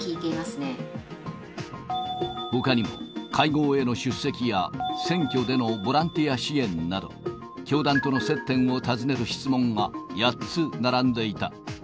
ほかにも会合への出席や選挙でのボランティア支援など、教団との接点を訪ねる質問は８つ並んでいた。